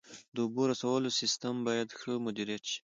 د اوبو رسولو سیستم باید ښه مدیریت شي.